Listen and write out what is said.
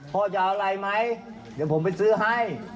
พ่อจะเอาอะไรไหมเดี๋ยวผมไปซื้อให้